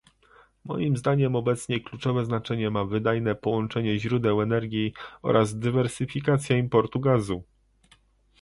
Moim zdaniem obecnie kluczowe znaczenie ma wydajne połączenie źródeł energii oraz dywersyfikacja importu gazu